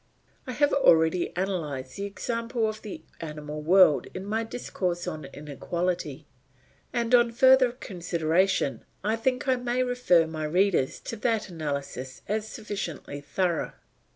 I have already analysed the example of the animal world in my Discourse on Inequality, and on further consideration I think I may refer my readers to that analysis as sufficiently thorough.